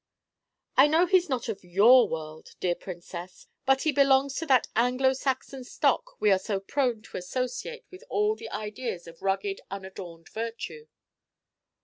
"I know he's not of your world, dear Princess, but he belongs to that Anglo Saxon stock we are so prone to associate with all the ideas of rugged, unadorned virtue."